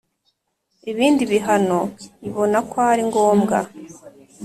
ibindi bihano ibona ko ari ngombwa